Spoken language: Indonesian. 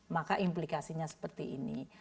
maka implikasinya seperti ini